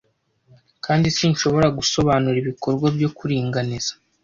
Kandi sinshobora gusobanura ibikorwa byo kuringaniza,